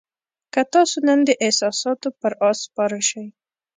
که تاسو نن د احساساتو پر آس سپاره شئ.